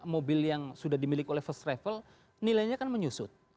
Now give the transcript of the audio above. mobil yang sudah dimiliki oleh first travel nilainya kan menyusut